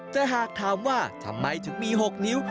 แต่หากถามว่าทำไมถึงมี๖นิ้ว